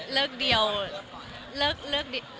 เลิกเดียวค่ะ